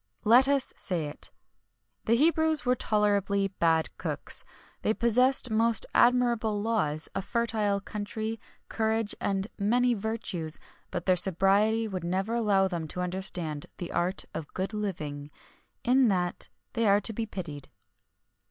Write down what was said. Let us say it: the Hebrews were tolerably bad cooks. They possessed most admirable laws, a fertile country, courage and many virtues, but their sobriety never would allow them to understand the art of good living. In that, they are to be pitied.